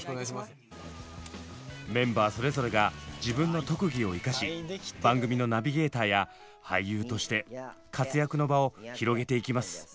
メンバーそれぞれが自分の特技を生かし番組のナビゲーターや俳優として活躍の場を広げていきます。